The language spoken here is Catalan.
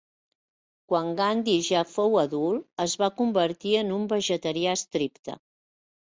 Quan Gandhi ja fou adult, es va convertir en un vegetarià estricte.